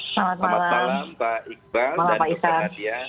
selamat malam pak iqbal dan dr nadia